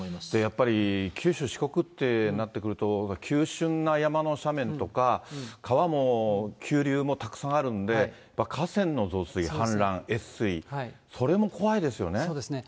やっぱり、九州、四国ってなってくると、急しゅんな山の斜面とか、川も急流もたくさんあるんで、河川の増水、氾濫、越水、そうですね。